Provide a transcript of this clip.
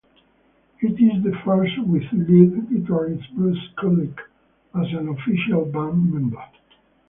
It is the first with lead guitarist Bruce Kulick as an official band member.